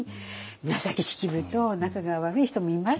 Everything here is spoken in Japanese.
紫式部と仲が悪い人もいます。